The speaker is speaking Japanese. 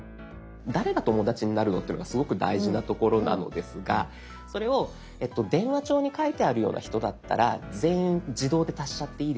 誰が友だちになるのっていうのがすごく大事なところなのですがそれを「電話帳に書いてあるような人だったら全員自動で足しちゃっていいですか？」